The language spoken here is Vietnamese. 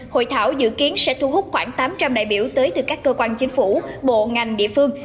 hội thảo dự kiến sẽ thu hút khoảng tám trăm linh đại biểu tới từ các cơ quan chính phủ bộ ngành địa phương